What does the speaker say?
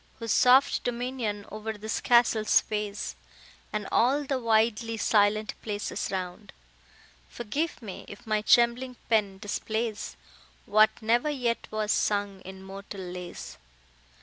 Whose soft dominion o'er this castle sways, And all the widely silent places round, Forgive me, if my trembling pen displays What never yet was sung in mortal lays.